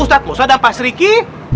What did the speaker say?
ustadz mau sedang pak sriki